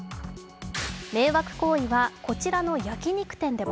迷惑行為はこちらの焼き肉店でも。